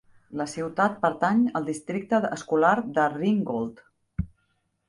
La ciutat pertany al districte escolar de Ringgold.